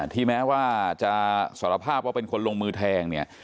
แม้ว่าจะสารภาพว่าเป็นคนลงมือแทงเนี่ย